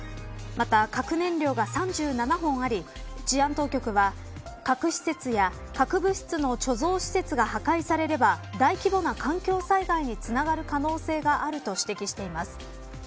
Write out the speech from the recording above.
また、核燃料が３７本あり治安当局は、核施設や核物質の貯蔵施設が破壊されれば大規模な環境災害につながる可能性があると指摘しています。